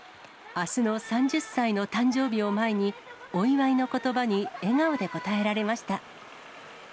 あすの３０歳の誕生日を前に、お祝いのことばに笑顔で応えられました。